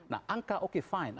nah angka oke fine